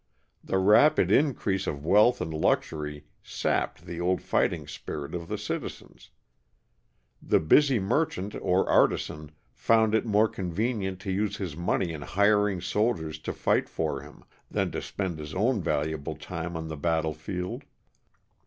The rapid increase of wealth and luxury sapped the old fighting spirit of the citizens. The busy merchant or artisan found it more convenient to use his money in hir ing soldiers to fight for him, than to spend his own valuable time on the battlefield.